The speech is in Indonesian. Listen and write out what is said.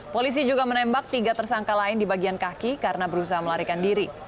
polisi juga menembak tiga tersangka lain di bagian kaki karena berusaha melarikan diri